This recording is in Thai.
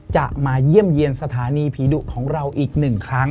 จะมาเยี่ยมเยี่ยมสถานีผีดุของเราอีกหนึ่งครั้ง